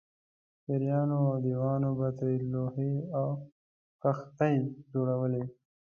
پېریانو او دیوانو به ترې لوښي او کښتۍ جوړولې.